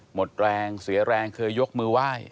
หมดแรงเสียแรงเคยยกมือไหว้